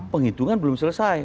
penghitungan belum selesai